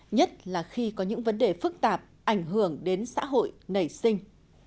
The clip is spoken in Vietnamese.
nhất là khi có những vấn đề phức tạp ảnh hưởng đến xã hội nảy sinh